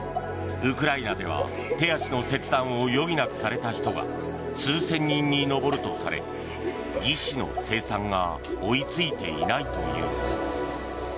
ウクライナでは手足の切断を余儀なくされた人が数千人に上るとされ義肢の生産が追いついていないという。